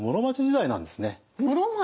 室町？